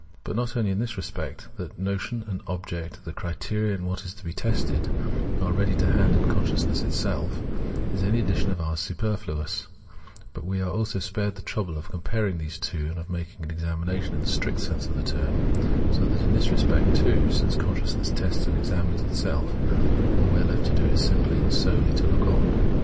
But not only in this respect, that notion and object, Introduction 85 the criterion and what is to be tested, are ready to hand in consciousness itself, is any addition of ours superfluous, but we are also spared the trouble of com pariag these two and of making an examination in the strict sense of the term; so that in this respect, too, since consciousness tests and examines itself, all we are left to do is simply and solely to look on.